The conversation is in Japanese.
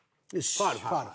ファウルファウル。